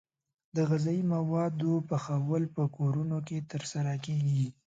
د غذايي موادو پخول په کورونو کې ترسره کیږي.